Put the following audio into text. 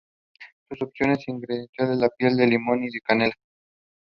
It was his second project for which he is most well known.